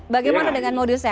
bagaimana dengan modus ya